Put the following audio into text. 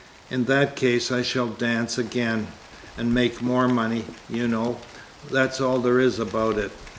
In that case, I shall dance again, and make more money, you know that's all there is about it."